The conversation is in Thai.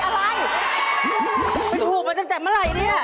เป็นผูกมาจากแต่เมื่อไหร่นี่